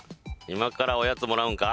今からおやつもらうんか？